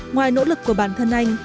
ngoài nỗ lực của bản thân anh